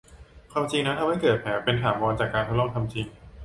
ความจริงนั้นทำให้เกิดแผลเป็นถาวรจากการทดลองทำจริง